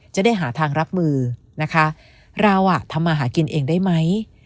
จะได้หาทางรับมือนะคะเราอ่ะทำมาหากินเองได้ไหม